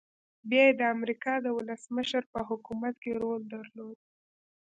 بيا يې د امريکا د ولسمشر په حکومت کې رول درلود.